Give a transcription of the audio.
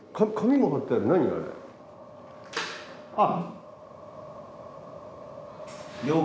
あっ。